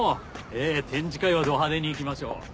ええ展示会はど派手にいきましょう。